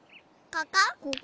ここ！